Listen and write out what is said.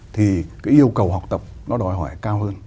thì cái yêu cầu học tập nó đòi hỏi cao hơn